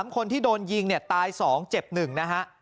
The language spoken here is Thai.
๓คนที่โดนยิงเนี่ยตาย๒เจ็บ๑นะฮะ